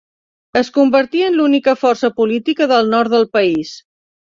Es convertí en l'única força política del nord del país.